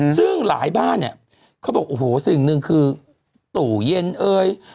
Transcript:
ซึ่งหลายบ้านเขาบอกโอ้โหคือถูเย็นเอ้ย